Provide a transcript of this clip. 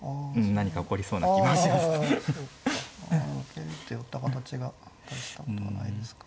桂打って寄った形が大したことはないですか。